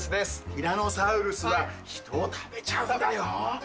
ティラノサウルスは人を食べちゃうんだよ。